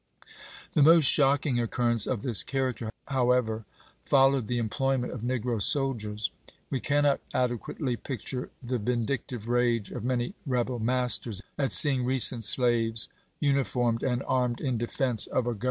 The most shocking occurrence of this character, however, followed the employment of negro sol diers. We cannot adequately picture the vindic tive rage of many rebel masters at seeing recent slaves uniformed and armed in defense of a Gov Holmee to Cooper, Nov.